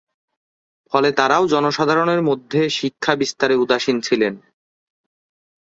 ফলে তারাও জনসাধারনের মধ্যে শিক্ষা বিস্তারে উদাসীন ছিলেন।